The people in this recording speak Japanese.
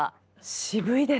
渋いですね。